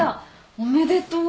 おめでとう。